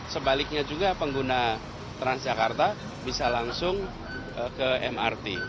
sebaliknya juga pengguna transjakarta bisa langsung ke mrt